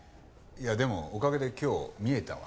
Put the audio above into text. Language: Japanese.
いやでもおかげで今日見えたわ。